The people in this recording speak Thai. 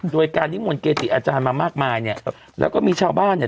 โดยการนิมนต์เกจิอาจารย์มามากมายเนี่ยแล้วก็มีชาวบ้านเนี่ย